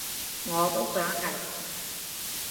我都想係